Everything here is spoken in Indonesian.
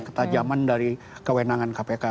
ketajaman dari kewenangan kpk